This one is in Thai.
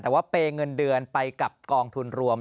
แต่ว่าเปย์เงินเดือนไปกับกองทุนรวม